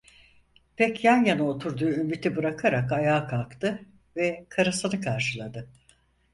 Pek yan yana oturduğu Ümit’i bırakarak ayağa kalktı ve karısını karşıladı.